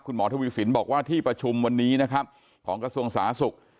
หมอทวีสินบอกว่าที่ประชุมวันนี้นะครับของกระทรวงสาธารณสุข